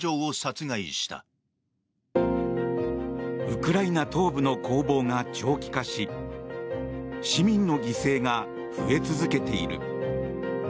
ウクライナ東部の攻防が長期化し市民の犠牲が増え続けている。